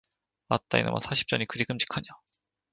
아따 이놈아, 사십 전이 그리 끔찍하냐.